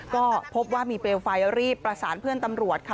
ก็พบว่ามีเปลวไฟรีบประสานเพื่อนตำรวจค่ะ